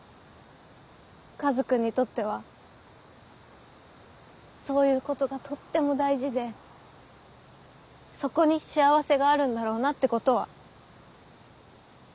カズくんにとってはそういうことがとっても大事でそこに幸せがあるんだろうなってことは。